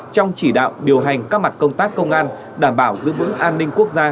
trong chỉ đạo điều hành các mặt công tác công an đảm bảo giữ vững an ninh quốc gia